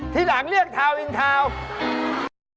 ที่หลังเรียกทาวน์อินทาวน์